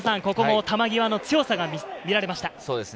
ここも球際の強さが見られました。